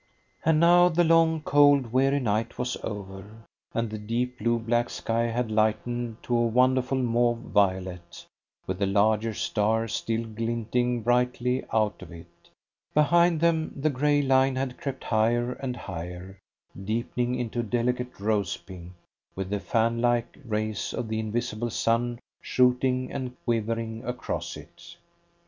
And now the long, cold, weary night was over, and the deep blue black sky had lightened to a wonderful mauve violet, with the larger stars still glinting brightly out of it. Behind them the grey line had crept higher and higher, deepening into a delicate rose pink, with the fan like rays of the invisible sun shooting and quivering across it.